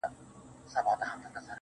خندا چي په ظاهره ده ژړا ده په وجود کي,